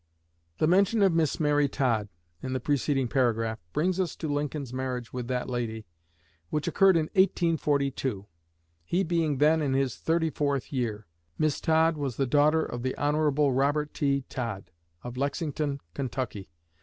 The mention of Miss Mary Todd, in the preceding paragraph, brings us to Lincoln's marriage with that lady, which occurred in 1842, he being then in his thirty fourth year. Miss Todd was the daughter of the Hon. Robert T. Todd, of Lexington, Kentucky.